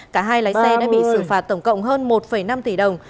cả hai lái xe đã bị xử phạt tổng cộng hơn một năm tỷ đồng